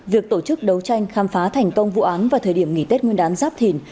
việc tổ chức đấu tranh khám phá thành công vụ án vào thời điểm nghỉ tết nguyên đán giáp thìn